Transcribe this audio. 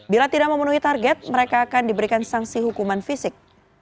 bila tidak memenuhi target mereka akan diberikan sanksi hukuman fisik